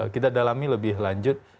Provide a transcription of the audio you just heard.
kita dalami lebih lanjut